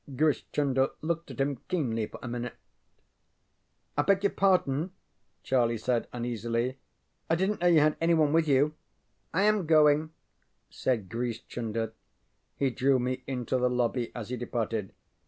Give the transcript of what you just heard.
Grish Chunder looked at him keenly for a minute. ŌĆ£I beg your pardon, ŌĆØ Charlie said, uneasily; ŌĆ£I didnŌĆÖt know you had any one with you. ŌĆØ ŌĆ£I am going, ŌĆØ said Grish Chunder. He drew me into the lobby as he departed.